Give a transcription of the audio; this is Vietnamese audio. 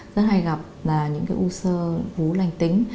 rất hay gặp là những cái u sơ vú lành tính